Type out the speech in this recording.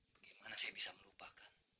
bagaimana saya bisa melupakan